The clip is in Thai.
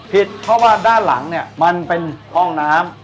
ผิดเพราะว่าด้านหลังเนี่ยมันเป็นห้องน้ำ